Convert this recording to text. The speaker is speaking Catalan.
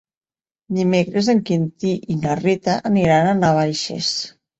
Dimecres en Quintí i na Rita aniran a Navaixes.